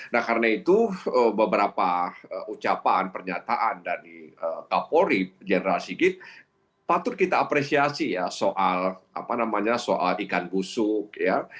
nah karena itu beberapa ucapan pernyataan dari kapolri general sigit patut kita apresiasi ya soal ikan busuk